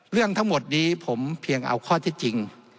เรื่องทั้งหมดนี้ผมเพียงเอาข้อที่จริง